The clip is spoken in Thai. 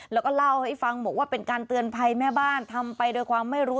แล้วก็เล่าให้ฟังบอกว่าเป็นการเตือนภัยแม่บ้านทำไปโดยความไม่รู้